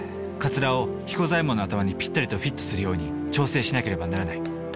かつらを彦左衛門の頭にぴったりとフィットするように調整しなければならない。